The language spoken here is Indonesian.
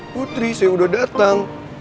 putri saya udah datang